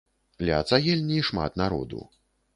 Ля цагельні шмат народу.